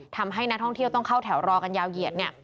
ทำให้นักท่องเที่ยวต้องเข้าแถวรอกันยาวเหยียด